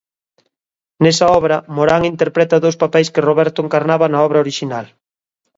Nesa obra, Morán interpreta dous papeis que Roberto encarnaba na obra orixinal.